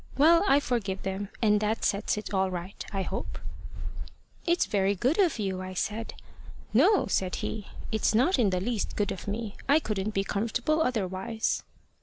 Well, I forgive them, and that sets it all right, I hope.' `It's very good of you,' I said. `No!' said he, `it's not in the least good of me. I couldn't be comfortable otherwise.'